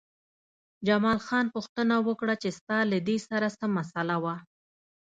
جمال خان پوښتنه وکړه چې ستا له دې سره څه مسئله وه